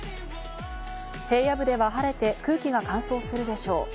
平野部では晴れて空気が乾燥するでしょう。